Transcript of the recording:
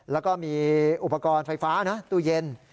แล้วก็มีอุปกรณ์ไฟฟ้านะตู้เย็น